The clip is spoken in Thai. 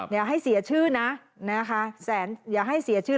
อย่าให้เสียชื่อนะอย่าให้เสียชื่อ